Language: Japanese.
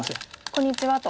「こんにちは」と。